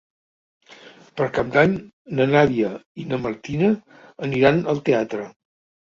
Per Cap d'Any na Nàdia i na Martina aniran al teatre.